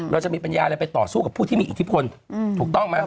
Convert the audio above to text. เราจะมีปัญญาอะไรไปต่อสู้กับผู้ที่มีอิทธิพลถูกต้องไหม